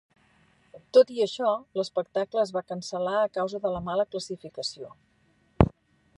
Tot i això, l'espectacle es va cancel·lar a causa de la mala classificació.